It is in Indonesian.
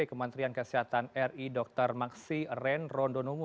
kementerian kesehatan ri dr maksi ren rondonumu